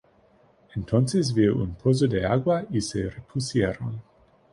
Entonces vio un pozo de agua y se repusieron.